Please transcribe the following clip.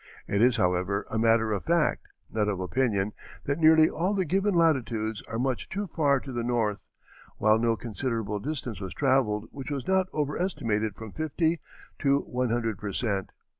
It is, however, a matter of fact, not of opinion, that nearly all the given latitudes are much too far to the north, while no considerable distance was travelled which was not overestimated from fifty to one hundred per cent.